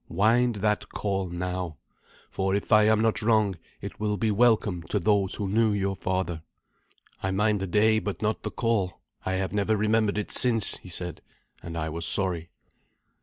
Wind that call now; for, if I am not wrong, it will be welcome to those who knew your father." "I mind the day but not the call. I have never remembered it since," he said, and I was sorry.